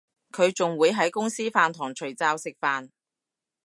佢仲會喺公司飯堂除罩食飯